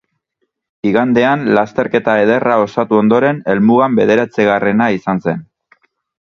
Igandean lasterketa ederra osatu ondoren helmugan bederatzigarrena izan zen.